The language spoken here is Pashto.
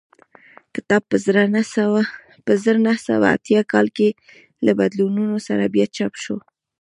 کتاب په زر نه سوه اتیا کال کې له بدلونونو سره بیا چاپ شو